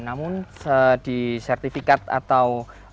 namun di sertifikat atau